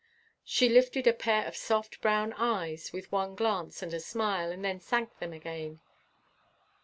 She lifted a pair of soft brown eyes with one glance and a smile, and then sank them again.